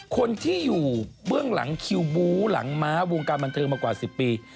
คนที่อยู่เบื้องหลังคิวบูหลังม้าวงการบันเทิงมากว่า๑๐ปี